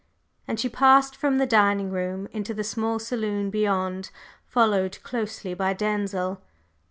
And she passed from the dining room into the small saloon beyond, followed closely by Denzil.